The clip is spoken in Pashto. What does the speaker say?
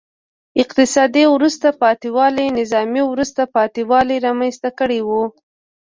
اقتصادي وروسته پاتې والي نظامي وروسته پاتې والی رامنځته کړی و.